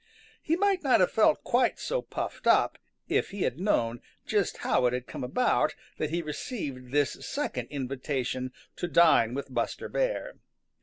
He might not have felt quite so puffed up if he had known just how it had come about that he received this second invitation to dine with Buster Bear.